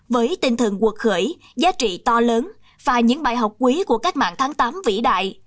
với tinh thần cuộc khởi giá trị to lớn và những bài học quý của cách mạng tháng tám vĩ đại